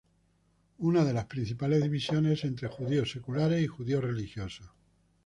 Una de las principales divisiones es entre judíos seculares y judíos religiosos.